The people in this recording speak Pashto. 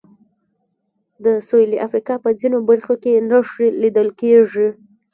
د سوېلي افریقا په ځینو برخو کې نښې لیدل کېږي.